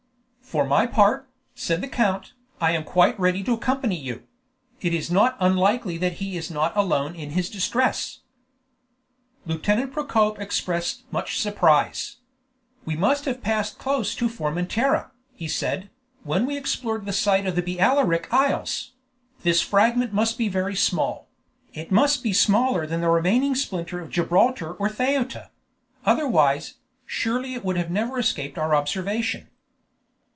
"For my part," said the count, "I am quite ready to accompany you; it is not unlikely that he is not alone in his distress." Lieutenant Procope expressed much surprise. "We must have passed close to Formentera," he said, "when we explored the site of the Balearic Isles; this fragment must be very small; it must be smaller than the remaining splinter of Gibraltar or Ceuta; otherwise, surely it would never have escaped our observation."